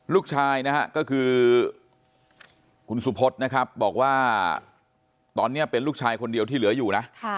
ลูกชายนะฮะก็คือคุณสุพธนะครับบอกว่าตอนนี้เป็นลูกชายคนเดียวที่เหลืออยู่นะ